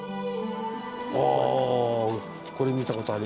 あこれ見た事あります。